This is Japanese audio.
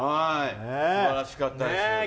すばらしかったです。